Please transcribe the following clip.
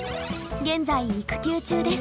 現在育休中です。